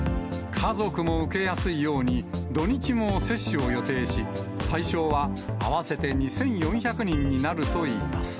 家族も受けやすいように、土日も接種を予定し、対象は、合わせて２４００人になるといいます。